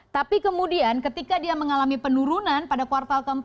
tapi kemudian ketika dia mengalami penurunan pada kuartal keempat